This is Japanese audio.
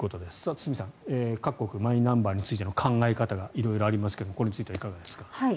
堤さん、各国マイナンバーについての考え方が色々ありますがここについてはいかがですか。